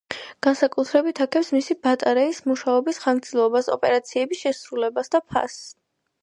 განსაკუთრებით აქებს მისი ბატარეის მუშაობის ხანგრძლივობას, ოპერაციების შესრულებას და ფასს.